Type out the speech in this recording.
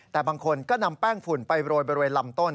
แต่บางคนก็นำแป้งฝุ่นไปโรยบริเวณลำต้น